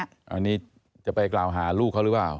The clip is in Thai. อันนี้จะไปกล่าวหาลูกเขาหรือเปล่า